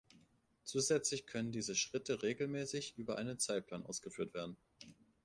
Zusätzlich können diese Schritte regelmäßig über einen Zeitplan ausgeführt werden.